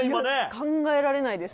考えられないです。